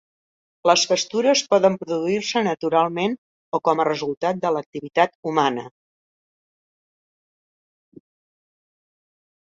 Les pastures poden produir-se naturalment o com a resultat de l'activitat humana.